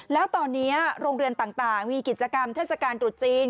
แล้วตอนนี้โรงเรียนต่างมีกิจกรรมเทศกาลตรุษจีน